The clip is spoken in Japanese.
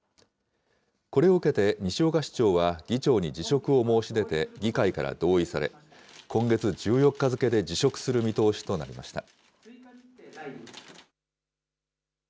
これを受けて、西岡市長は議長に辞職を申し出て議会から同意され、今月１４日付で辞職する見通しとなりました。